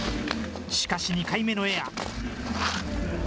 しかし、２回目のエア。